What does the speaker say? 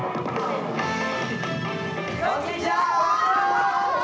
こんにちは！